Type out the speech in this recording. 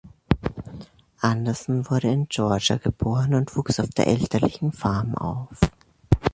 Anderson wurde in Georgia geboren und wuchs auf der elterlichen Farm auf.